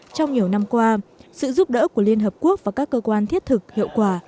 trong nhiều năm qua sự giúp đỡ của liên hợp quốc và các cơ quan thiết thực hiệu quả